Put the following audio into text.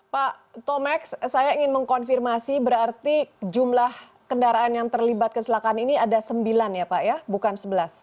pak tomek saya ingin mengkonfirmasi berarti jumlah kendaraan yang terlibat kecelakaan ini ada sembilan ya pak ya bukan sebelas